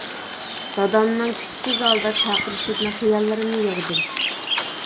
دادامنىڭ كۈچسىز ھالدا چاقىرىشىدىن خىياللىرىمنى يىغدىم.